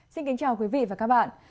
xin kính chào quý vị và các bạn